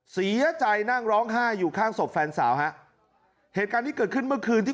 เสียใจนั่งร้องไห้อยู่ข้างศพแฟนสาวฮะเหตุการณ์ที่เกิดขึ้นเมื่อคืนที่